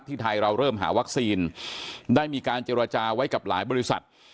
ไทยเราเริ่มหาวัคซีนได้มีการเจรจาไว้กับหลายบริษัท